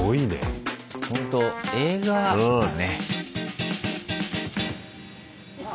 ほんと映画だね。